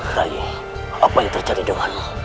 rai apa yang terjadi denganmu